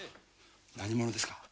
何者ですか？